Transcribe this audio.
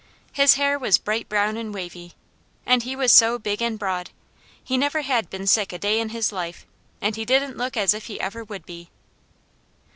His hair was bright brown and wavy, and he was so big and broad. He never had been sick a day in his life, and he didn't look as if he ever would be.